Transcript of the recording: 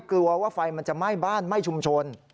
กลัวว่าไฟมันจะไหม้บ้านไหม้ชุมชน